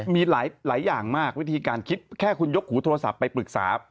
มีหลายอย่างมากวิธีการคิดแค่คุณยกหูโทรศัพท์ไปปรึกษา